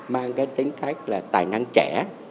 mang tính cách là tài năng trẻ